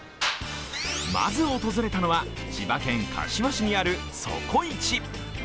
まず訪れたのは、千葉県柏市にあるそこ市。